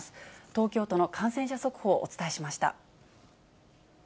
東京都の感染者速報、お伝えしました。